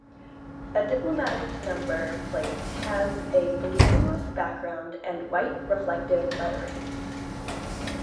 A diplomatic number plate has a blue background and white reflective lettering.